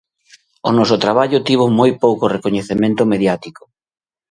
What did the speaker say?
O noso traballo tivo moi pouco recoñecemento mediático.